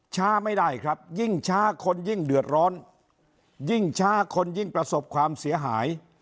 ช้าไม่ได้ครับยิ่งช้าคนยิ่งเดือดร้อนยิ่งช้าคนยิ่งประสบความเสียหาย